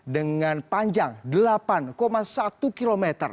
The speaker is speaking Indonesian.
dengan panjang delapan satu km